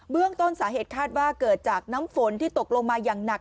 เรื่องต้นสาเหตุคาดว่าเกิดจากน้ำฝนที่ตกลงมาอย่างหนัก